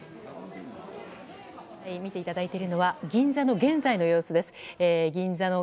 見ていただいているのは銀座の現在の様子です。